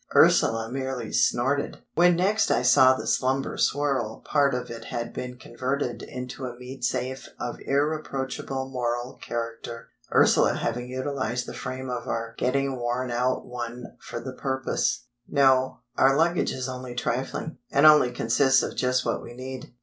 Ursula merely snorted. When next I saw the "slumber swirl," part of it had been converted into a meat safe of irreproachable moral character, Ursula having utilised the frame of our getting worn out one for the purpose. No; our luggage is only trifling, and only consists of just what we need.